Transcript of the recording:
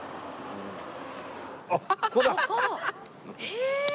へえ。